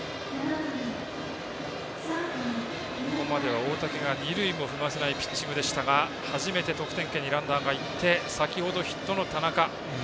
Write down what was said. ここまでは大竹が二塁も踏ませないピッチングでしたが初めて得点圏にランナーがいって先ほどヒットの田中。